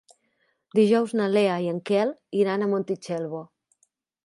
Dijous na Lea i en Quel iran a Montitxelvo.